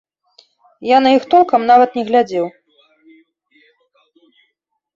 Я на іх толкам нават не глядзеў.